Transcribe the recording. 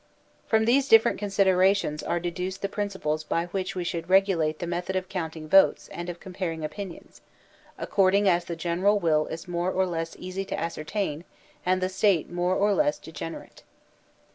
From these different considerations are deduced the principles by which we should regulate the method of counting votes and of comparing opinions, according as the general will is more or less easy to ascertain and the State more or less degenerate.